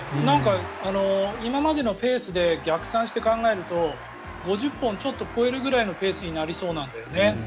今までのペースで逆算して考えると５０本ちょっと超えるくらいのペースになりそうなんだよね。